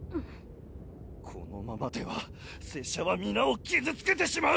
このままでは拙者は皆を傷つけてしまう！